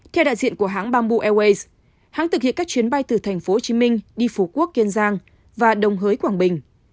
theo đại diện của hãng bamboo airways hãng thực hiện các chuyến bay từ tp hcm đi phú quốc kiên giang và đồng hới quảng bình